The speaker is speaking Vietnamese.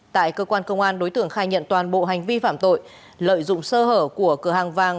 tại cơ quan công an đối tượng khai nhận toàn bộ hành vi phạm tội lợi dụng sơ hở của cửa hàng vàng